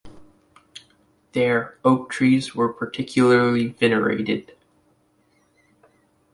There, oak trees were particularly venerated.